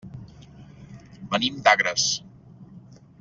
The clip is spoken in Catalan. Venim d'Agres.